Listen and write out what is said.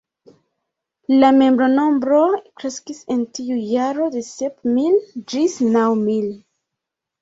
La membronombro kreskis en tiu jaro de sep mil ĝis naŭ mil.